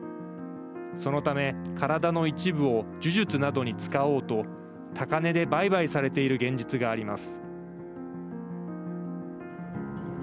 そのため体の一部を呪術などに使おうと高値で売買されている現実があります。